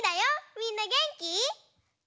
みんなげんき？